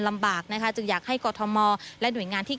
ลำบากนะคะจึงอยากให้กรทมและหน่วยงานที่